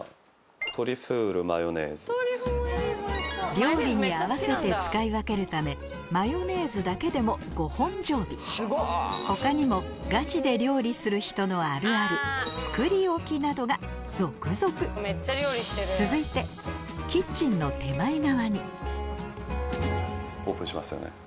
料理に合わせて使い分けるためマヨネーズだけでも５本常備他にもガチで料理する人のあるある作り置きなどが続々続いてオープンしますよね。